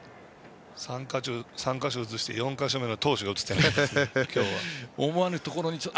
３か所映して４か所目の投手が映ってなかったですね、今日は。